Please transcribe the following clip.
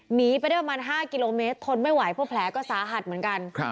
หนีไปได้ประมาณ๕กิโลเมตรทนไม่ไหวเพราะแผลก็สาหัสเหมือนกัน